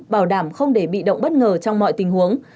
bảo đảm không để bị động bất ngờ trong mọi tình huống